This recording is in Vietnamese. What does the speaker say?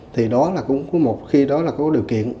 thì đó là cũng có một khi đó là có điều kiện